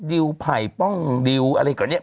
ดิวไผ่ป้องดิวอะไรก่อนเนี่ย